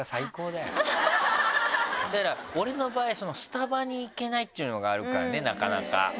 だから俺の場合スタバに行けないっていうのがあるからねなかなか。